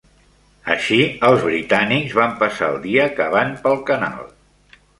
Així, els britànics van passar el dia cavant pel canal.